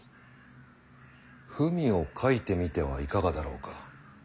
文を書いてみてはいかがだろうか。